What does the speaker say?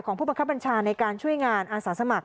ผู้บังคับบัญชาในการช่วยงานอาสาสมัคร